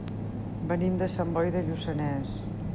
Venim de Sant Boi de Lluçanès.